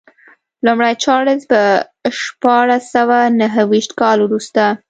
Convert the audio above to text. لومړی چارلېز په شپاړس سوه نهویشت کال وروسته.